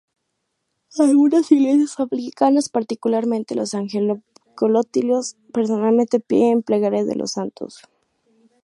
Algunas iglesias anglicanas, particularmente los anglo-católicos, personalmente piden plegarias de los santos.